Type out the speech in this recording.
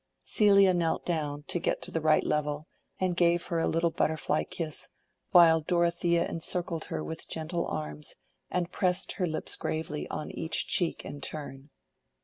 Celia knelt down to get the right level and gave her little butterfly kiss, while Dorothea encircled her with gentle arms and pressed her lips gravely on each cheek in turn.